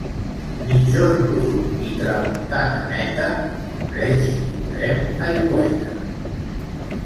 Migjorn brut i tramuntana neta, prest tindrem aigüeta.